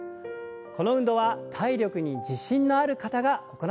この運動は体力に自信のある方が行ってください。